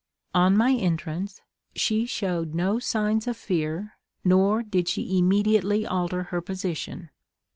On my entrance she showed no signs of fear, nor did she immediately alter her position.